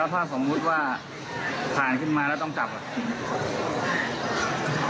แล้วถ้าสมมุติว่าขาดขึ้นมาแล้วต้องจับเหรอ